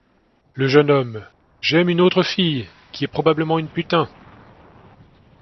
Le jeune homme — J'aime une autre fille, qui est probablement une putain.